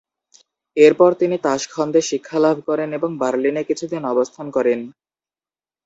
এরপর তিনি তাশখন্দে শিক্ষালাভ করেন এবং বার্লিনে কিছুদিন অবস্থান করেন।